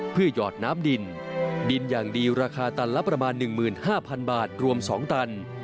เพื่อหยอดน้ำดินดินอย่างดีราคาตันละประมาณ๑๕๐๐๐บาทรวม๒ตัน